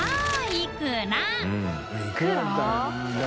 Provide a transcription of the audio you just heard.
いくらだったかな？